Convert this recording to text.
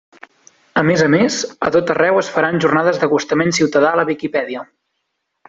A més a més, a tot arreu es faran jornades d'acostament ciutadà a la Viquipèdia.